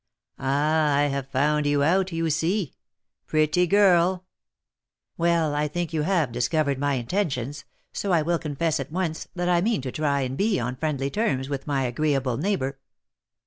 Ah, I've found you out, you see, pretty girl " "Well, I think you have discovered my intentions, so I will confess at once that I mean to try and be on friendly terms with my agreeable neighbour."